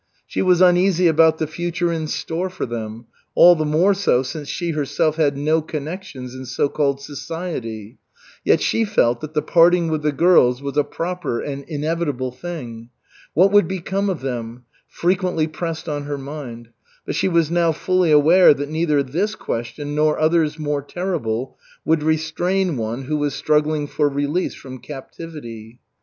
She was uneasy about the future in store for them; all the more so since she herself had no connections in so called "society." Yet she felt that the parting with the girls was a proper and inevitable thing. What would become of them? frequently pressed on her mind; but she was now fully aware that neither this question nor others more terrible would restrain one who was struggling for release from captivity.